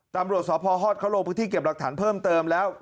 ตำรวจสพฮอตเขาลงพื้นที่เก็บหลักฐานเพิ่มเติมแล้ว